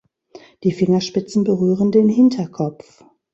Die Fingerspitzen berühren den Hinterkopf.